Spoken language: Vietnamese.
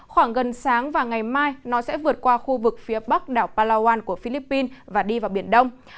khoảng gần sáng và ngày mai nó sẽ vượt qua khu vực phía bắc đảo palawan của philippines và đi vào biển đông